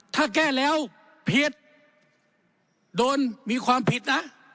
ถ้าแก้แล้วผิดโดนมีความผิดนะ